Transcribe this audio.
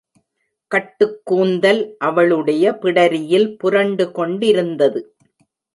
கட்டுக்கூந்தல் அவளுடைய பிடரியில் புரண்டு கொண்டிருந்தது.